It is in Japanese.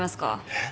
えっ？